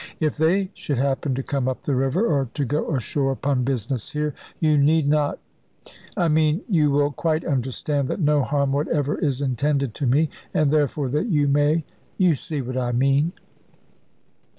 If they should happen to come up the river, or to go ashore upon business here, you need not I mean, you will quite understand that no harm whatever is intended to me, and therefore that you may you see what I mean."